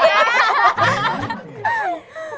terima kasih ya